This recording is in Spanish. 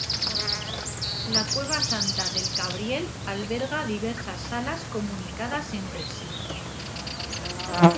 La Cueva Santa del Cabriel alberga diversas salas comunicadas entre sí.